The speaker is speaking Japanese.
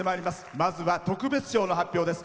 まずは特別賞の発表です。